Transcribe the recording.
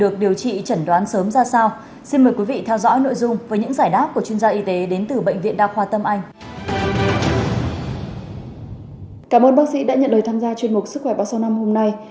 cảm ơn bác sĩ đã nhận lời tham gia chuyên mục sức khỏe ba trăm sáu mươi năm hôm nay